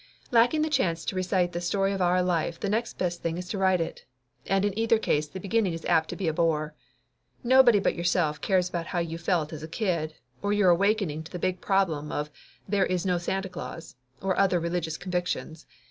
Lacking the chance to recite the story of our life the next best thing is to write it. And in either case the beginning is apt to be a bore. Nobody but yourself cares about how you felt as a kid, or your awakening to the big problem of there is no Santa Claus, and other religious convictions.